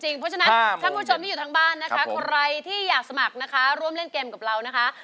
เพราะฉะนั้นท่านผู้ชมที่อยู่ทางบ้านนะคะใครที่อยากสมัครนะคะร่วมเล่นเกมกับเรานะคะ